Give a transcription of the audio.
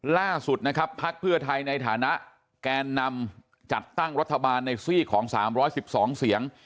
ล่าสุดนะครับภักดิ์เพื่อไทยในฐานะแกนนำจัดตั้งรัฐบาลในซีกของ๓๑๒เสียง